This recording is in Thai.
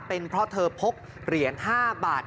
เป็นเพราะเธอพกเหรียญ๕บาท